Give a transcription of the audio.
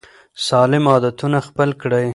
سالم عادتونه خپل کړئ.